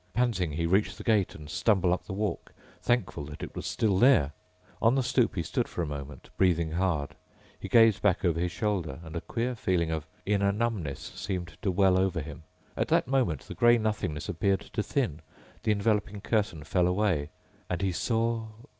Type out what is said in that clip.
Panting, he reached the gate and stumbled up the walk, thankful that it still was there. On the stoop he stood for a moment, breathing hard. He glanced back over his shoulder and a queer feeling of inner numbness seemed to well over him. At that moment the gray nothingness appeared to thin ... the enveloping curtain fell away, and he saw....